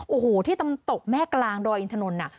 โอ้โหที่ตำตกแม่กลางดอยอินทนนทน่ะ